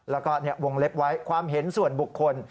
แล้วก็วงเล็บไว้ความเห็นส่วนบุคคล